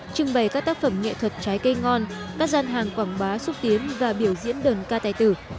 trưng bày các tác phẩm nghệ thuật trái cây ngon các gian hàng quảng bá xúc tiến và biểu diễn đơn ca tài tử